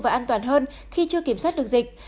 và an toàn hơn khi chưa kiểm soát được dịch